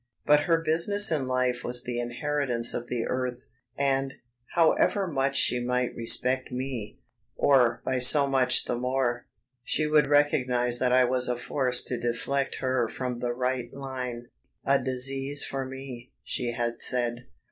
But her business in life was the inheritance of the earth, and, however much she might respect me or by so much the more she would recognise that I was a force to deflect her from the right line "a disease for me," she had said.